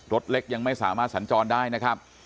รถเล็กยังไม่สามารถสัญจรได้นะครับ